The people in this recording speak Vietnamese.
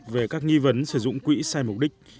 về các nghi vấn sử dụng quỹ sai mục đích